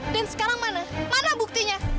dan sekarang mana mana buktinya